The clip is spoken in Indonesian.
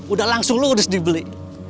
udah langsung lurus dibeli